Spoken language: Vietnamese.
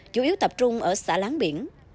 chủ yếu tập trung ở xã lán biển